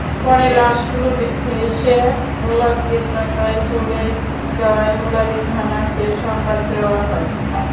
পরে লাশগুলো ভেসে মুলাদী এলাকায় চলে যাওয়ায় মুলাদী থানাকে সংবাদ দেওয়া হয়।